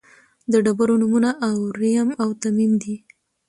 د ډبرو نومونه اوریم او تمیم دي.